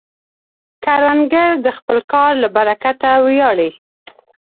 کروندګر د خپل کار له برکته ویاړي